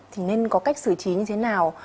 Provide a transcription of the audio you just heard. thì nên có cách xử trí như thế nào